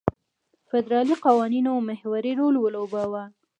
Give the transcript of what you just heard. فدرالي قوانینو محوري رول ولوباوه.